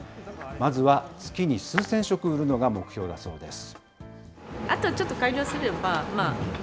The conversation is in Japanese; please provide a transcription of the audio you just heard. まずは月に数千食売るのが目標だそうです。